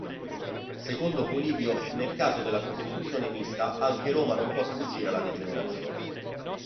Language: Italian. Secondo Polibio, Nel caso della costituzione mista anche Roma non può sfuggire alla degenerazione.